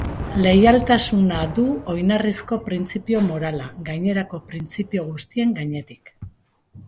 Leialtasuna du oinarrizko printzipio morala, gainerako printzipio guztien gainetik.